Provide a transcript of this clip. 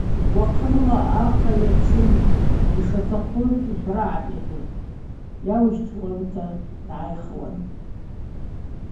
Уахъынла архъа йырцун – Йшатахъу йхӏврагӏатӏ, – йхӏвун йауищтуанта дгӏайхуан.